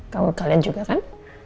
kamu kalian juga kan